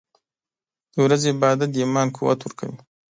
• د ورځې عبادت د ایمان قوت ورکوي.